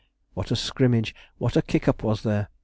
What a scrimmage! What a kick up was there!